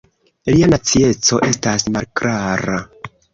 Lia nacieco estas malklara.